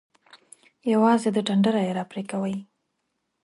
یوازې د ډنډره یی را پرې کوئ.